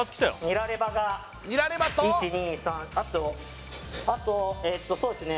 ニラレバが１２３あとそうですね